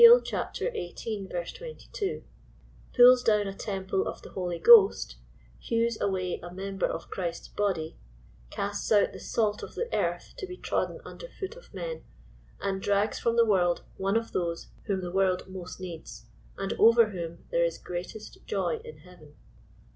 xviii. 22,) pulls down a temple of the Holy Ghost, hews away a member of Christ's body, casts out the salt of the earth to be trodden under foot of men, and drags from the world one those whom the world most needs, and over whom there is greatest joy in heaven.